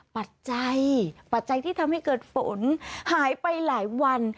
ปัจจัยปัจจัยที่ทำให้เกิดฝนหายไปหลายวัน